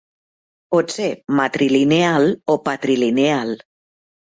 Pot ser matrilineal o patrilineal.